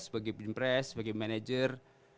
sebagai pimpres sebagai manager